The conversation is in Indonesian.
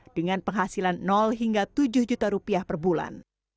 dengan penghasilan hingga tujuh juta rupiah per bulan